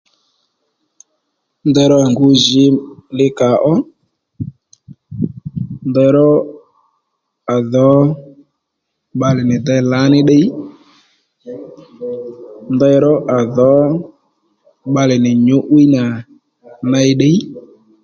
Ndeyró à ngǔ jǐ li kàó ndeyró à dhǒ bbalè nì dey lǎní ddiy ndeyró à dhǒ bbalè nì nyǔ'wiy nà ney ddiy